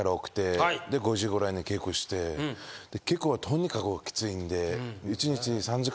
５時ぐらいに稽古して稽古がとにかくきついんで。